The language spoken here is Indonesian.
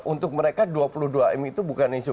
untuk mereka dua puluh dua m itu bukan isu